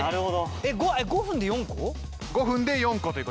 ５分で４個。